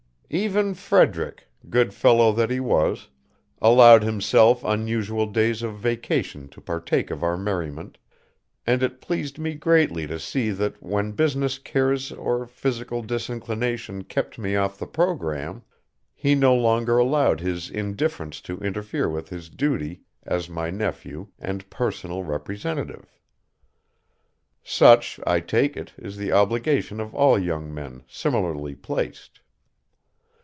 Even Frederick good fellow that he was allowed himself unusual days of vacation to partake of our merriment, and it pleased me greatly to see that when business cares or physical disinclination kept me off the programme, he no longer allowed his indifference to interfere with his duty as my nephew and personal representative. Such, I take it, is the obligation of all young men similarly placed.